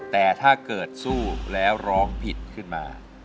แต่ถ้าเกิดสู้แล้วร้องผิดขึ้นมา